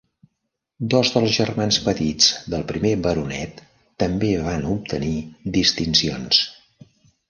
Dos dels germans petits del primer baronet també van obtenir distincions.